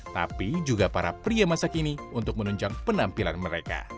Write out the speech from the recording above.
tapi juga para pria masa kini untuk menunjang penampilan mereka